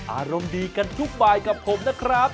อารมณ์ดีกันทุกบายกับผมนะครับ